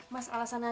mas alasan aja